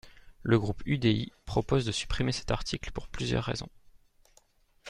Le groupe UDI propose de supprimer cet article pour plusieurs raisons.